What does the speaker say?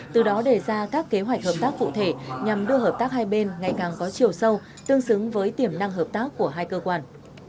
từ đó đề ra các kế hoạch hợp tác cụ thể nhằm đưa hợp tác hai bên ngày càng có chiều sâu tương xứng với tiềm năng hợp tác của hai cơ quan